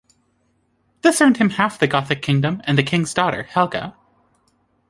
This earned him half the Gothic kingdom and the king's daughter, Helga.